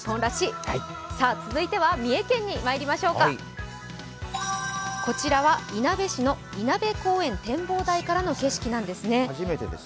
続いては三重県にまいりましょう、こちらはいなべ市のいなべ公園展望台からの景色なんですね。